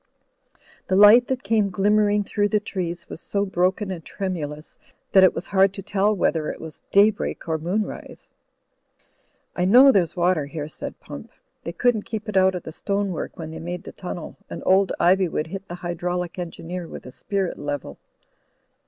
The light that came glimmering through the trees was so broken and tremulous that it was hard to tell whether it was daybreak or moonrise. Digitized by CjOOQ IC 94 THE FLYING INN '1 know there's water here," said Pump. "Thejr couldn't keep it out of the stone work when the)r made the timnel, and old Ivywood hit the hydraulic engineer with a spirit level.